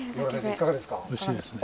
いかがですか？